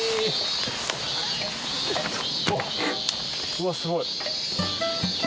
うわすごい！